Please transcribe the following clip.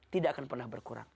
tidak akan pernah berkurang